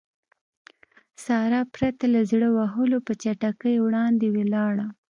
سارا پرته له زړه وهلو په چټکۍ وړاندې ولاړه.